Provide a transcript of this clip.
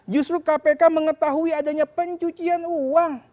justru kpk mengetahui adanya pencucian uang